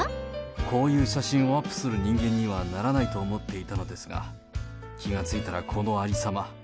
こういう写真をアップする人間にはならないと思っていたのですが、気がついたらこのありさま。